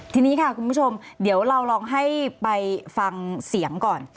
ทีนี้ค่ะคุณผู้ชมเดี๋ยวเราลองให้ไปฟังเสียงก่อน